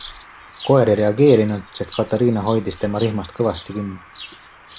Koer ei reageerinud, sest Katariina hoidis tema rihmast kõvasti kinni.